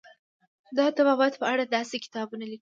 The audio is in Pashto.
د طبابت په اړه یې داسې کتابونه لیکلي.